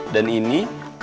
dan ini